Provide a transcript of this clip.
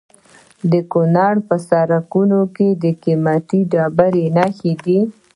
د کونړ په سرکاڼو کې د قیمتي ډبرو نښې دي.